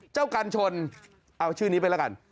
กันชนเอาชื่อนี้ไปแล้วกัน